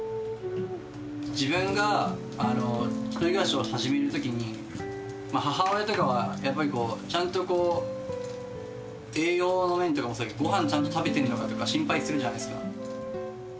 自分が１人暮らしを始めるときに、母親とかはやっぱりこう、ちゃんと栄養の面というか、ごはんちゃんと食べてるのかとか心配するじゃないですか。